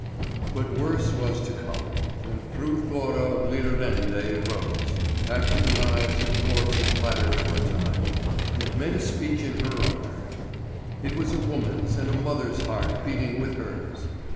But worse was to come, when Fru Thora of Lidarende rose, after the knives and forks had clattered for a time, and made a speech in her honour. It was a woman's and a mother's heart beating with hers.